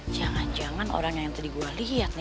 jangan jangan orang yang tadi gue lihat nih